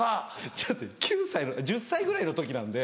ちょっと９歳１０歳ぐらいの時なんで。